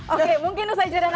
oke mungkin usai cedera nanti